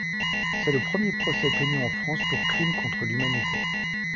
C'est le premier procès tenu en France pour crime contre l'humanité.